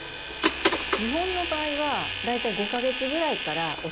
日本の場合は大体５か月ぐらいからお試しをして。